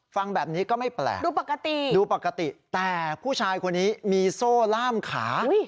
ฟังแบบนี้ก็ไม่แปลกดูปกติดูปกติแต่ผู้ชายคนนี้มีโซ่ล่ามขา